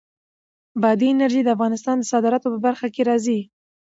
بادي انرژي د افغانستان د صادراتو په برخه کې راځي.